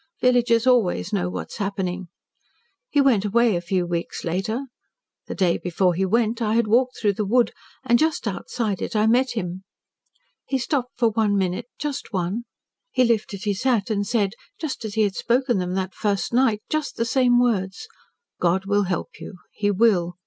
Villagers always know what is happening. He went away a few weeks later. The day before he went, I had walked through the wood, and just outside it, I met him. He stopped for one minute just one he lifted his hat and said, just as he had spoken them that first night just the same words, 'God will help you. He will.